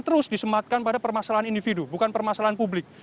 terus disematkan pada permasalahan individu bukan permasalahan publik